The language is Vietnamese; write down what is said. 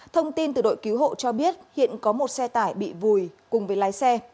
thông tin từ đội cứu hộ cho biết hiện có một xe tải bị vùi cùng với lái xe